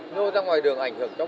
nhưng mà ra ngoài đường ảnh hưởng